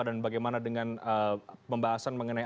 dan bagaimana dengan pembahasan mengenai